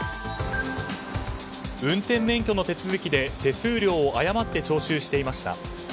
運転免許の手続きで手数料を誤って徴収していました。